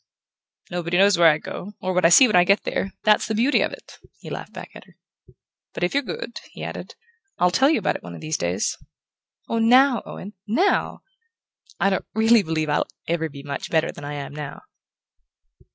"Nobody knows where I go, or what I see when I get there that's the beauty of it!" he laughed back at her. "But if you're good," he added, "I'll tell you about it one of these days." "Oh, now, Owen, now! I don't really believe I'll ever be much better than I am now."